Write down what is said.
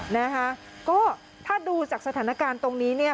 นะคะก็ถ้าดูจากสถานการณ์ตรงนี้เนี่ย